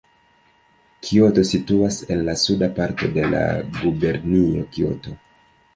Kioto situas en la suda parto de la gubernio Kioto.